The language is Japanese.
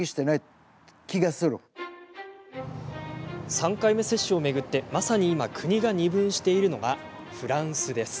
３回目接種を巡ってまさに今、国が二分しているのがフランスです。